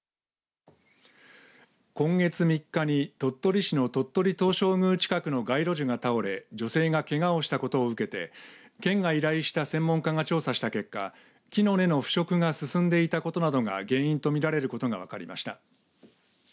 今月３日に鳥取市の鳥取東照宮近くの街路樹が倒れ女性がけがをしたことを受けて県が依頼した専門家が調査した結果木の根の腐食が進んでいたことなどが原因と見られることが分かりました。